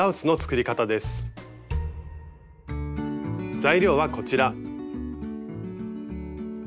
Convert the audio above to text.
材料はこちら。